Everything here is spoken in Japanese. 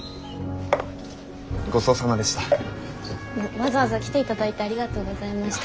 わざわざ来ていただいてありがとうございました。